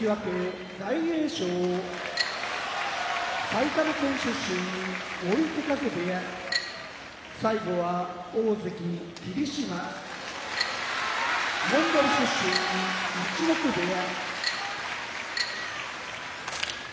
埼玉県出身追手風部屋大関・霧島モンゴル出身陸奥部屋